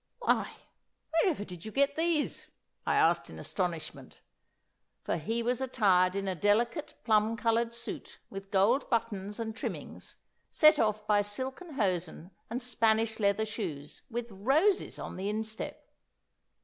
'Why, wherever did you get these?' I asked in astonishment, for he was attired in a delicate plum coloured suit with gold buttons and trimmings, set off by silken hosen and Spanish leather shoes with roses on the instep.